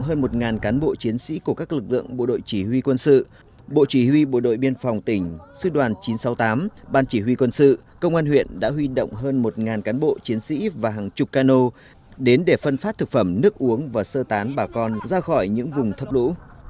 hơn một cán bộ chiến sĩ của các lực lượng bộ đội chỉ huy quân sự bộ chỉ huy bộ đội biên phòng tỉnh sư đoàn chín trăm sáu mươi tám ban chỉ huy quân sự công an huyện đã huy động hơn một cán bộ chiến sĩ và hàng chục cano đến để phân phát thực phẩm nước uống và sơ tán bà con ra khỏi những vùng thấp lũ